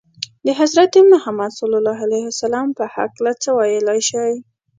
د حضرت محمد ﷺ په هکله څه ویلای شئ؟